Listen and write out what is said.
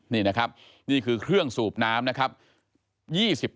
นี่นะครับนี่คือเครื่องสูบน้ำนะครับ